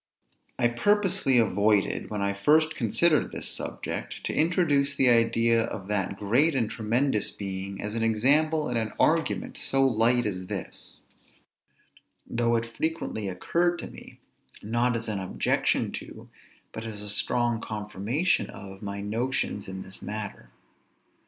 I purposely avoided, when I first considered this subject, to introduce the idea of that great and tremendous Being, as an example in an argument so light as this; though it frequently occurred to me, not as an objection to, but as a strong confirmation of, my notions in this matter.